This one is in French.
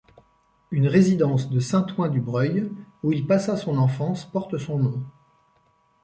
Une résidence de Saint-Ouen-du-Breuil où il passa son enfance porte son nom.